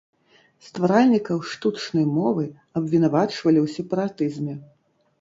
Стваральнікаў штучнай мовы абвінавачвалі ў сепаратызме.